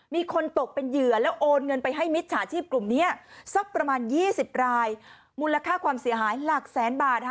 มีคนตกเป็นเหยื่อแล้วโอนเงินไปให้มิจฉาชีพกลุ่มนี้สักประมาณ๒๐รายมูลค่าความเสียหายหลักแสนบาท